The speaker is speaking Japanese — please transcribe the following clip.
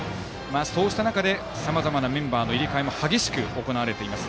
そうした中でさまざまなメンバーの入れ替えも激しく行われています。